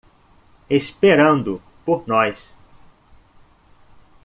Esperando por nós